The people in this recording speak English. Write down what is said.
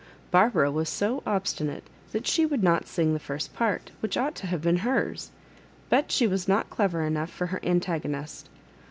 Barbara was so obstinate that she would not smg the first part, which ought to have been hers ; but she was not clever enough for her an tagonist.